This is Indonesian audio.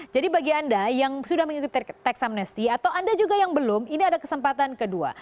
jadi bagi anda yang sudah mengikuti teksamnesti atau anda juga yang belum ini ada kesempatan kedua